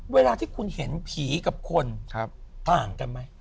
เวลาที่คุณเห็นผีกับคนต่างกันไหม